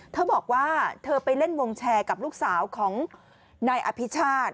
เธอบอกว่าเธอไปเล่นวงแชร์กับลูกสาวของนายอภิชาติ